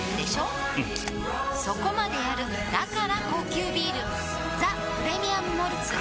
うんそこまでやるだから高級ビール「ザ・プレミアム・モルツ」